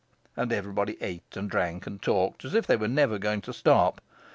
And everybody ate and drank and talked as if they were never going to stop.